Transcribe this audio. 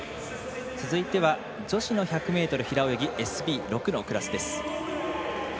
続いては女子の１００ｍ平泳ぎＳＢ６のクラスです。